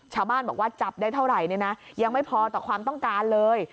ชาวบ้านบอกว่าจับได้เท่าไหร่เนี่ยนะยังไม่พอต่อความต้องการเลย